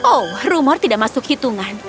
oh rumor tidak masuk hitungan